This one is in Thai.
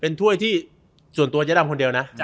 เป็นต้วยที่ส่วนตัวเยอะดำคนเดียวนะ